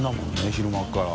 昼間から。